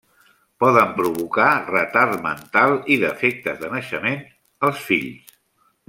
Poden provocar retard mental i defectes de naixement als fills.